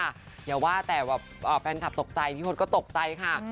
เดี๋ยวว่าแต่ว่าแฟนกลับตกใจพี่พลก็ตกใจค่ะ